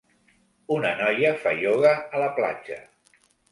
Una noia fa ioga a la platja.